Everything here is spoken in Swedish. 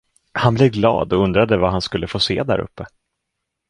Han blev glad och undrade vad han skulle få se däruppe.